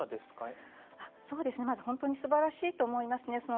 本当にすばらしいと思いますね。